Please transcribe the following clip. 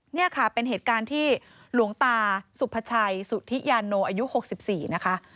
นี่ค่ะเป็นเหตุการณ์ที่หลวงตาสุภาชัยสุธิยาโนอายุ๖๔นะคะ